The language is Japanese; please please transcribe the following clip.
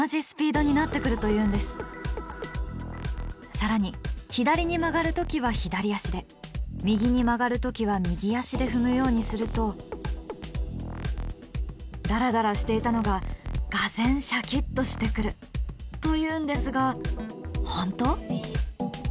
更に左に曲がる時は左足で右に曲がる時は右足で踏むようにするとダラダラしていたのががぜんシャキッとしてくるというんですが本当？